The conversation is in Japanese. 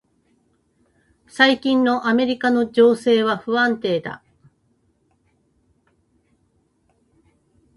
最近のアメリカの情勢は不安定だ。